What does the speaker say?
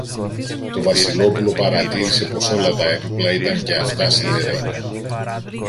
Το Βασιλόπουλο παρατήρησε πως όλα τα έπιπλα ήταν και αυτά σιδερένια